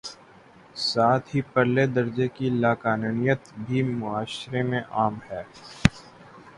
ساتھ ہی پرلے درجے کی لا قانونیت بھی معاشرے میں عام ہے۔